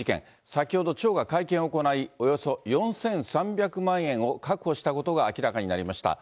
先ほど町が会見を行い、およそ４３００万円を確保したことが明らかになりました。